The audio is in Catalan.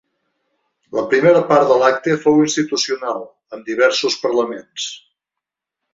La primera part de l’acte fou institucional, amb diversos parlaments.